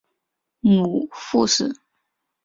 母傅氏。